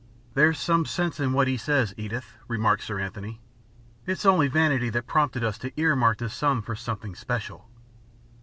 "There's some sense in what he says, Edith," remarked Sir Anthony. "It's only vanity that prompted us to ear mark this sum for something special."